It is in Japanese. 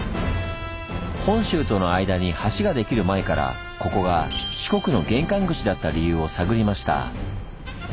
本州との間に橋ができる前からここが四国の玄関口だった理由を探りました。